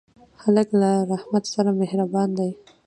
هلک له رحمت سره مهربان دی.